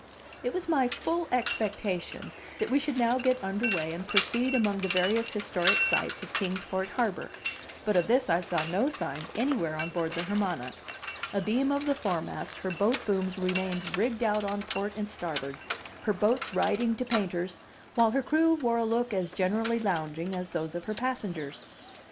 It was my full expectation that we should now get under way and proceed among the various historic sights of Kings Port harbor, but of this I saw no signs anywhere on board the Hermana. Abeam of the foremast her boat booms remained rigged out on port and starboard, her boats riding to painters, while her crew wore a look as generally lounging as that of her passengers.